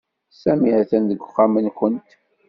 Sami atan deg uxxam-nwent.